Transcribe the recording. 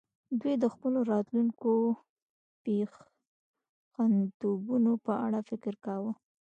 دوی د خپلو راتلونکو پیټینټونو په اړه فکر کاوه